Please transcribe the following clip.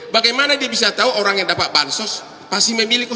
bagaimana dia bisa tahu orang yang dapat bansos pasti memilih